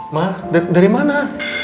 ma dari mana